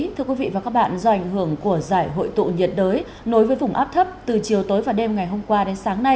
thưa quý vị và các bạn do ảnh hưởng của giải hội tụ nhiệt đới nối với vùng áp thấp từ chiều tối và đêm ngày hôm qua đến sáng nay